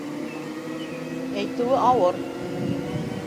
Әйтеүе ауыр!